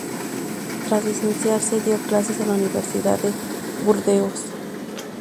Tras licenciarse dio clases en la Universidad de Burdeos.